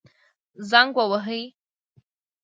زنګ ووهئ